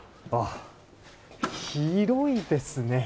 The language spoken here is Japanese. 広いですね。